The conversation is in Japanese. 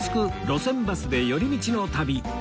路線バスで寄り道の旅』